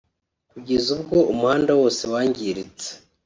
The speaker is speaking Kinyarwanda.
kugeza ubwo umuhanda wose wangiritse”